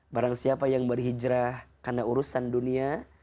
barang siapa yang berhijrah karena urusan dunia